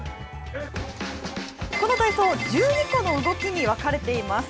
この体操、１２個の動きに分かれています。